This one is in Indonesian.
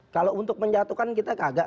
kalau untuk menjatuhkan kita agak